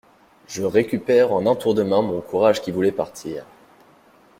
Je récupère en un tour de main mon courage qui voulait partir.